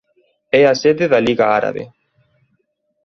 É a sede da Liga Árabe.